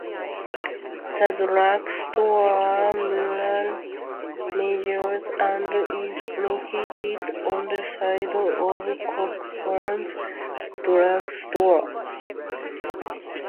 The Drug Store Mural measures and is located on the side of Cockburn's Drugstore.